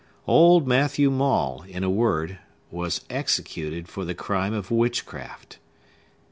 Old Matthew Maule, in a word, was executed for the crime of witchcraft.